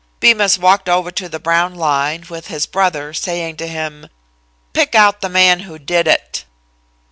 Bemus walked over to the Brown line with his brother, saying to him: "Pick out the man who did it."